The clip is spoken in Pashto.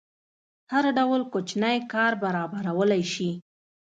هر ډول کوچنی کار برابرولی شي.